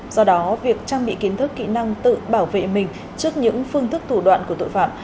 do đó việc trang bị kiến thức kỹ năng tự bảo vệ mình trước những phương thức thủ đoạn của tội phạm